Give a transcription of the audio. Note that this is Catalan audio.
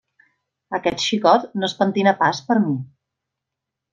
Aquest xicot no es pentina pas per mi.